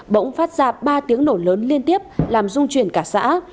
bỗng phát ra ba tiếng nổ lớn liên tiếp làm dung chuyển cả xã